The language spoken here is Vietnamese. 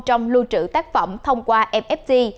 trong lưu trữ tác phẩm thông qua mft